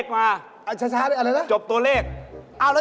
ว่างเหรอครับ